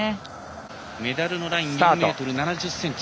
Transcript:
メダルのライン４ｍ７０ｃｍ。